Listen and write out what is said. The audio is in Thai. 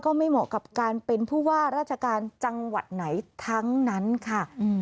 ไม่เหมาะกับการเป็นผู้ว่าราชการจังหวัดไหนทั้งนั้นค่ะ